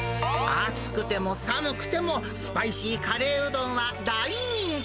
暑くても寒くても、スパイシーカレーうどんは大人気。